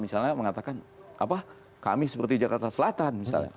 misalnya mengatakan kami seperti jakarta selatan misalnya